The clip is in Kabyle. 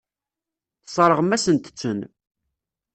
Tesseṛɣem-asent-ten.